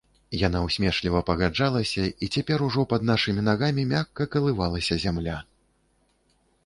Яна ўсмешліва пагаджалася, і цяпер ужо пад нашымі нагамі мякка калывалася зямля.